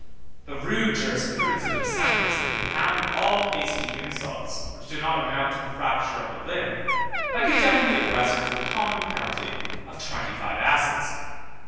The rude jurisprudence of the decemvirs had confounded all hasty insults, which did not amount to the fracture of a limb, by condemning the aggressor to the common penalty of twenty five asses.